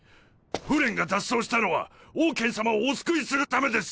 フレンが脱走したのはオウケン様をお救いするためです！